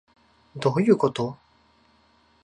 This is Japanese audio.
どういうこと？